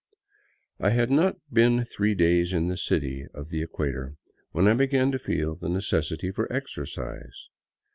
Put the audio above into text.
I had not been three days in the city of the equator when I began to feel the necessity for exercise.